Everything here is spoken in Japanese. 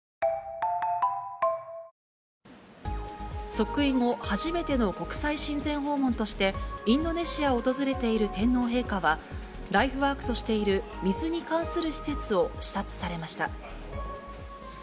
即位後初めての国際親善訪問として、インドネシアを訪れている天皇陛下は、ライフワークとしている水に関する施設を視察されました。